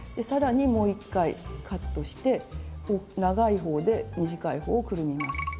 さらにもう一回カットして長い方で短い方をくるみます。